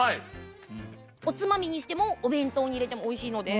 おつまみにしてもお弁当に入れてもおいしいので。